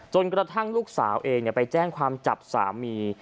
กระทั่งลูกสาวเองไปแจ้งความจับสามี